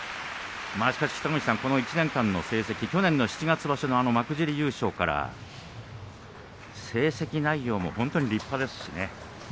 北の富士さん、この１年間の成績去年の七月場所の幕尻優勝から成績内容も本当に立派ですしね。